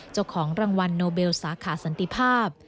เจ้าของรางวัลโนเบลสาขาสันติภาพ